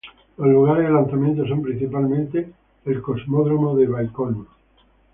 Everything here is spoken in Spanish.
Los lugares de lanzamiento son principalmente el Cosmódromo de Baikonur.